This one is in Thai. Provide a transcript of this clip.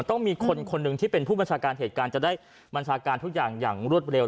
ต้องมีคนคนหนึ่งที่เป็นผู้บัญชาการเหตุการณ์จะได้บัญชาการทุกอย่างอย่างรวดเร็ว